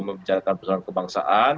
membicarakan persoalan kebangsaan